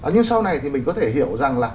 nhưng sau này thì mình có thể hiểu rằng là